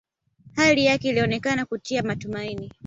Hali yake ilionekana kutia matumaini